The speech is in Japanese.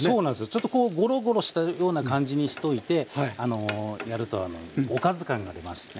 ちょっとこうゴロゴロしたような感じにしといてやるとおかず感が出ますね。